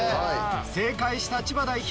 正解した千葉代表